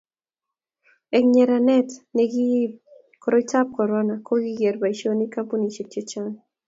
eng' nyeranet ne kiibi koroitab korono kokiker boisionik kampunisiek che chang'